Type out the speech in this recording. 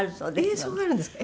映像があるんですか？